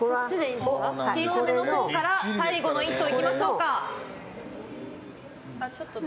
小さめのほうから最後いきましょうか。